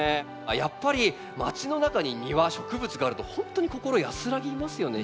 やっぱりまちの中に庭植物があるとほんとに心安らぎますよね